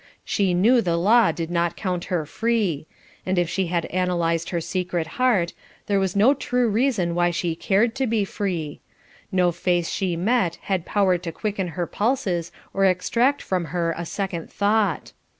She knew the law did not count her free; and if she had analyzed her secret heart, there was no true reason why she cared to be free. No face she met had power to quicken her pulses or extract from her a second thought.